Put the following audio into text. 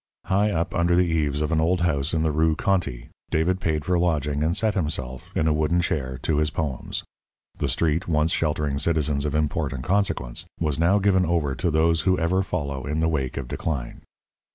High up under the eaves of an old house in the Rue Conti, David paid for lodging, and set himself, in a wooden chair, to his poems. The street, once sheltering citizens of import and consequence, was now given over to those who ever follow in the wake of decline.